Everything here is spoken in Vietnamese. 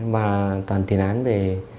và toàn tiền án về